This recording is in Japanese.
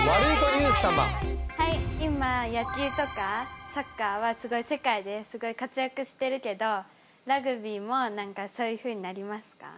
今野球とかサッカーはすごい世界ですごい活躍してるけどラグビーも何かそういうふうになりますか？